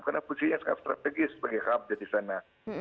karena posisinya sangat strategis sebagai hub di sana